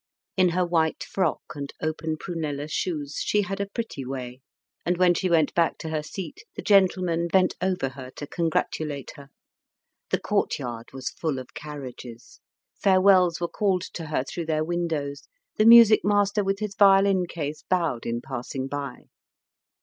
In her white frock and open prunella shoes she had a pretty way, and when she went back to her seat, the gentlemen bent over her to congratulate her; the courtyard was full of carriages; farewells were called to her through their windows; the music master with his violin case bowed in passing by.